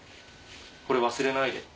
これ忘れないで。